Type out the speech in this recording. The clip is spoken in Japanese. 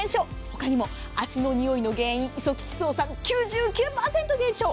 ほかにも足のにおいの原因イソ吉草酸、９９％減少。